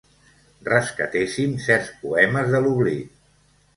Rescatéssim certs poemes de l'oblit.